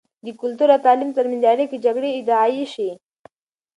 د کلتور او تعليم تر منځ اړیکه د جګړې ادعایی شې.